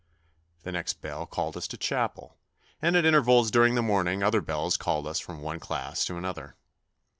The next bell called us to chapel, and at intervals during the morning other bells called us from one class to another.